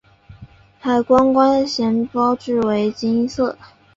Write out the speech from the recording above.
海关关衔标志为金色。